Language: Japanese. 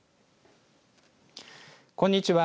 こんにちは。